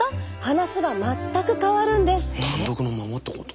単独のままってこと？